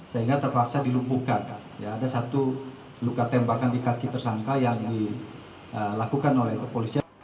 sehingga terpaksa dilumpuhkan ada satu luka tembakan di kaki tersangka yang dilakukan oleh kepolisian